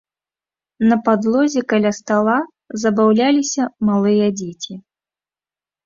На падлозе каля стала забаўляліся малыя дзеці.